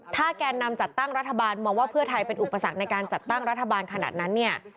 ถ้าแกนนำจัดตั้งรัฐบาลมองว่าเพื่อไทยเป็นอุปสรรคในการจัดตั้งรัฐบาลขนาดนั้นเนี่ย